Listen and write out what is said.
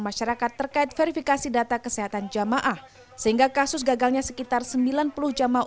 masyarakat terkait verifikasi data kesehatan jamaah sehingga kasus gagalnya sekitar sembilan puluh jamaah